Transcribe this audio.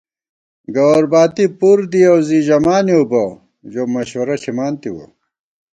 گوَر باتی پُر دِیَؤ زی ژمانېؤ بہ، ژو مشوَرہ ݪِمان تِوَہ